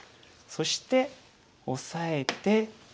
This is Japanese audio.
そしてオサえて。